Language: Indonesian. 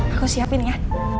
aku siapin ya